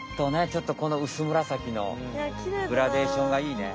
ちょっとこのうすむらさきのグラデーションがいいね。